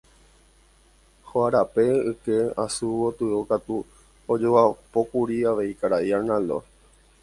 Hóga rape yke asu gotyo katu ojogapókuri avei karai Arnaldo.